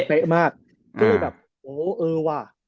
เป๊ะมากก็เลยแบบโอ้เออว่ะ